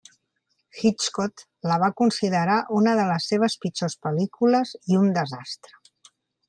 Hitchcock la va considerar una de les seves pitjors pel·lícules i un desastre.